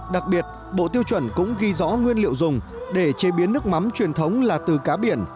đặc biệt bộ tiêu chuẩn cũng ghi rõ nguyên liệu dùng để chế biến nước mắm truyền thống là từ cá biển